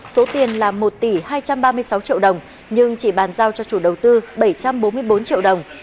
số tiền là một tỷ hai trăm ba mươi sáu triệu đồng nhưng chỉ bàn giao cho chủ đầu tư bảy trăm bốn mươi bốn triệu đồng